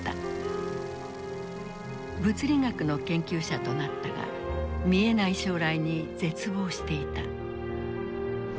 物理学の研究者となったが見えない将来に絶望していた。